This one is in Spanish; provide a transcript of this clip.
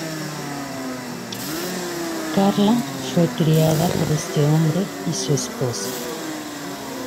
Carla fue criada por este hombre y su esposa.